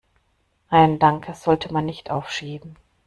Ein Danke sollte man nicht aufschieben.